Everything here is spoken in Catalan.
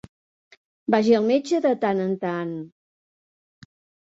Vagi al metge de tant en tant.